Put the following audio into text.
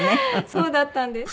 そうだったんです。